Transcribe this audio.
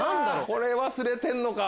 これ忘れてんのか！